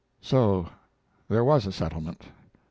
So there was a settlement.